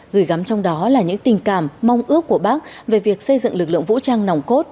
gửi gắm trong đó là những tình cảm mong ước của bác về việc xây dựng lực lượng vũ trang nòng cốt